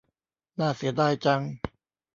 น่าเสียดายจัง